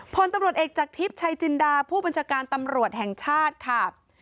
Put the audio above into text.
พลตำรวจเอกจากทิพย์ชัยจินดาผู้บัญชาการตำรวจแห่งชาติค่ะ